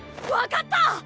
分かった！